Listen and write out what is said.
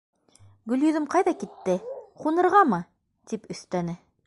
— Гөлйөҙөм ҡайҙа китте, ҡунырғамы? — тип өҫтәне.